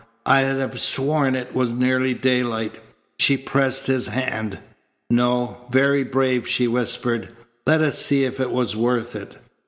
I'd have sworn it was nearly daylight." She pressed his hand. "No. Very brave," she whispered. "Let us see if it was worth it."